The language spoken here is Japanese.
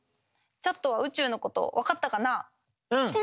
ちょっとは宇宙のこと分かったかな？